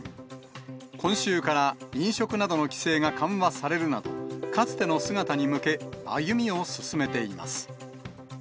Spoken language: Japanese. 今週から飲食などの規制が緩和されるなど、かつての姿に向け、歩みを進めています。